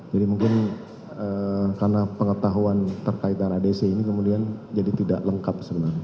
jadi mungkin karena pengetahuan terkait dengan adc ini kemudian jadi tidak lengkap sebenarnya